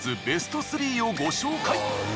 ベスト３をご紹介！